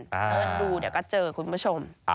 เดินดูเดี๋ยวก็เจอคุณผู้ชม